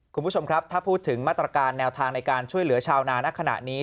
คุณผู้ชมครับถ้าพูดถึงมาตรการแนวทางในการช่วยเหลือชาวนานักขณะนี้